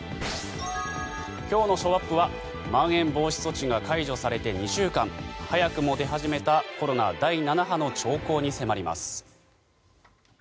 今日のショーアップはまん延防止措置が解除されて２週間早くも出始めたコロナ第７波の兆候に迫ります。